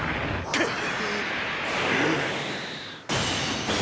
くっ！